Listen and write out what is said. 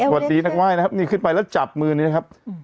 หวัดดีนักไหว้นี่ขึ้นไปแล้วจับมือนี้ครับ